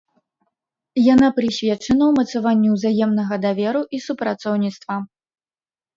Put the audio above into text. Яна прысвечана ўмацаванню ўзаемнага даверу і супрацоўніцтва.